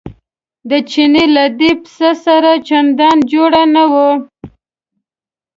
د چیني له دې پسه سره چندان جوړه نه وه.